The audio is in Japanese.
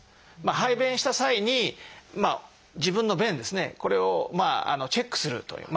排便した際に自分の便ですねこれをチェックするという。